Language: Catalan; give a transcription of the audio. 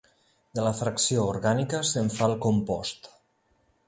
De la fracció orgànica se'n fa el compost.